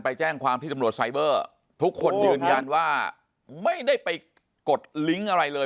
แจ้งความที่ตำรวจไซเบอร์ทุกคนยืนยันว่าไม่ได้ไปกดลิงก์อะไรเลย